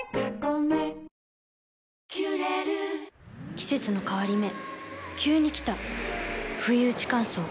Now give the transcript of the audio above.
季節の変わり目急に来たふいうち乾燥。